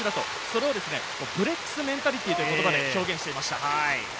それをブレックスメンタリティーという言葉で表現していました。